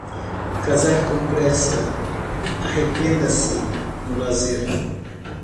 Casar com pressa, arrependa-se no lazer.